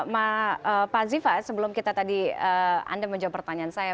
pak ziva sebelum kita tadi anda menjawab pertanyaan saya